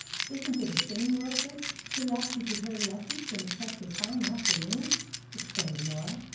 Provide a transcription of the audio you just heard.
"Isn't it a shame, Wilfrid, to have to prepare lessons when it's such a fine afternoon?" exclaimed Norah.